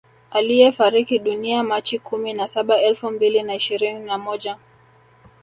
Aliyefariki dunia machi kumi na saba elfu mbili na ishirini na moja